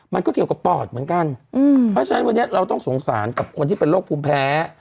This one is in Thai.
มันก็เกี่ยวกับปอดเหมือนกันเพราะฉะนั้นวันนี้เราต้องสงสารกับคนที่เป็นโรคภูมิแพ้